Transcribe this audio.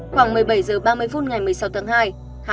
khoảng một mươi bảy h ba mươi phút ngày một mươi sáu tháng hai hào hẹn